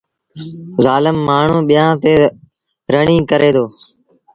زآلم مآڻهوٚݩ ٻيآݩ تي رڙيٚن ڪريدو۔